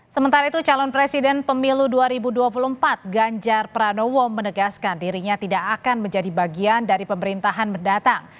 sementara itu calon presiden pemilu dua ribu dua puluh empat ganjar pranowo menegaskan dirinya tidak akan menjadi bagian dari pemerintahan mendatang